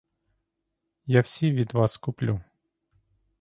Я всі від вас куплю.